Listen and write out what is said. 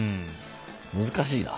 難しいな。